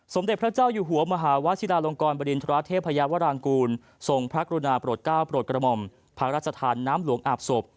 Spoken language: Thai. สมเด็จพระเจ้าอยู่หัวทรงพระกรณาปรดก้าวปรดกระม่อมพระราชธานน้ำหลวงอาบศพ